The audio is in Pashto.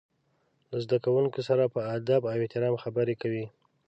له زده کوونکو سره په ادب او احترام خبرې کوي.